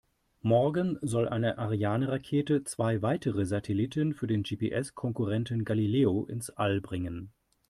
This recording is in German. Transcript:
Morgen soll eine Ariane-Rakete zwei weitere Satelliten für den GPS-Konkurrenten Galileo ins All bringen.